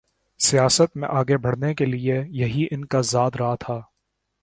سیاست میں آگے بڑھنے کے لیے یہی ان کا زاد راہ تھا۔